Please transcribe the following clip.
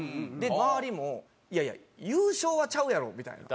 周りもいやいや優勝はちゃうやろみたいな。